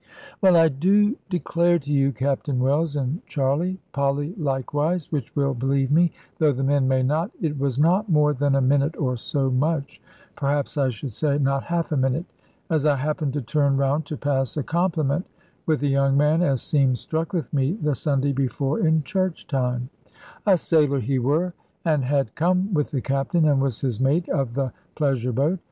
"Well, I do declare to you, Captain Wells, and Charley, Polly likewise, which will believe me, though the men may not, it was not more than a minute or so much, perhaps I should say not half a minute, as I happened to turn round to pass a compliment with a young man as seemed struck with me the Sunday before in church time; a sailor he were, and had come with the Captain, and was his mate of the pleasure boat.